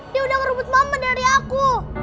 dia udah merebut mama dari aku